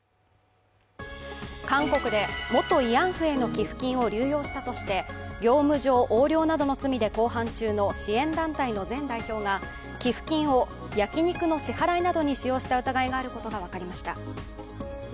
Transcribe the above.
韓国で元慰安婦への寄付金を流用したとして業務上横領などの罪ど公判中の支援団体の前代表が寄付金を焼き肉の支払いなどに使用した疑いがあることが分かりました。